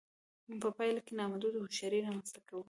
په پایله کې نامحدوده هوښیاري رامنځته کوي